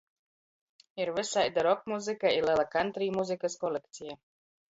Ir vysaida rokmuzyka i lela kantri muzykys kolekceja.